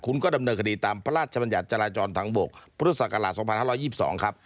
คุณก็ดำเนินคดีตามพระราชบัญญัติจราจรทางบกพุทธศักราช๒๕๒๒ครับ